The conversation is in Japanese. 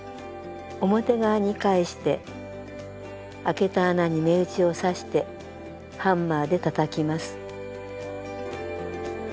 表側に返してあけた穴に目打ちを刺してハンマーでたたきます。